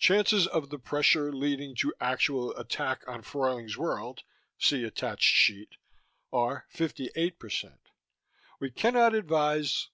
Chances of the pressure leading to actual attack on Fruyling's World (see attached sheet) are 58%. We cannot advise....